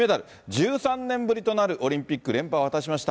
１３年ぶりとなるオリンピック連覇を果たしました。